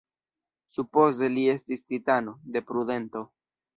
Supoze li estis Titano „de prudento“.